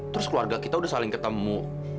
terus keluarga kita udah saling ketemu